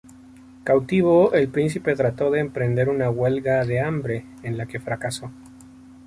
Cautivo, el príncipe trató de emprender una huelga de hambre, en la que fracasó.